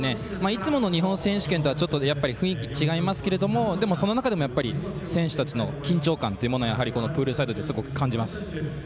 いつもの日本選手権とちょっと雰囲気違いますけどでも、その中でも選手たちの緊張感っていうものをやはりこのプールサイドですごく感じます。